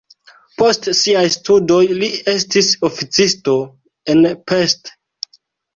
Post siaj studoj li estis oficisto en Pest.